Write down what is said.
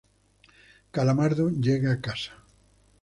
Calamardo llega a casa.